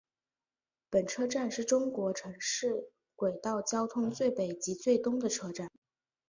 本车站是中国城市轨道交通最北及最东的车站。